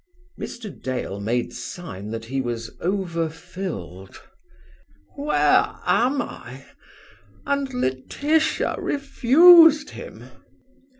Mr. Dale made sign that he was overfilled. "Where am I! And Laetitia refused him?"